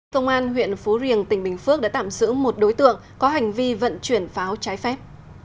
công an huyện phú riềng tỉnh bình phước đã tạm giữ một đối tượng có hành vi vận chuyển pháo trái phép